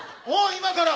今から！